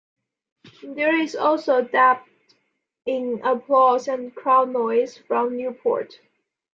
There is also dubbed in applause and crowd noise from Newport.